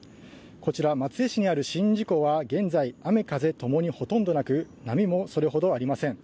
こちら、松江市にある宍道湖は現在、雨風ともにほとんどなく波もそれほどありません。